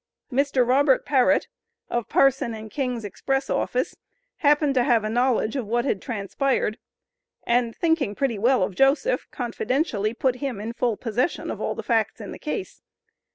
Mr. Robert Parrett, of Parson & King's Express office, happened to have a knowledge of what had transpired, and thinking pretty well of Joseph, confidentially put him in full possession of all the facts in the case.